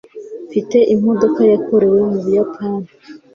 Mfite imodoka yakorewe mu Buyapani